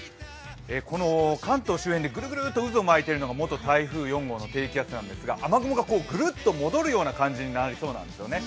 この関東周辺でぐるぐるっと渦を巻いているのが元台風４号の低気圧なんですが、雨雲がぐるっと戻るような感じになるんですね。